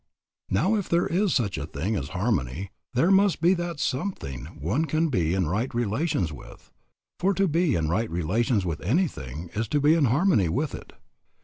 Now if there is such a thing as harmony there must be that something one can be in right relations with; for to be in right relations with anything is to be in harmony with it.